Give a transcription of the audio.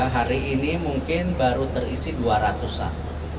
hari ini mungkin baru terisi dua ratus an